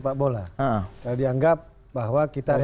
kalau dianggap bahwa kita reaktif